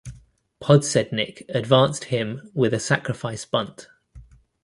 Podsednik advanced him with a sacrifice bunt.